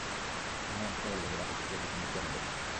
আহারান্তে প্রবলবেগে বাতাস উঠিয়া বিষম বৃষ্টি আরম্ভ হইল।